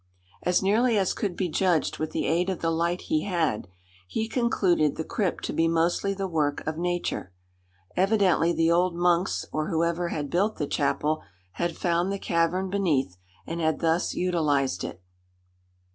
As nearly as could be judged with the aid of the light he had, he concluded the crypt to be mostly the work of nature. Evidently the old monks or whoever had built the chapel, had found the cavern beneath and had thus utilized it.